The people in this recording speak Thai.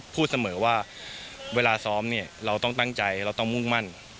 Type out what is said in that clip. พูดเสมอว่าเวลาซ้อมเนี่ยเราต้องตั้งใจเราต้องมุ่งมั่น